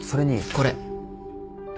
これ。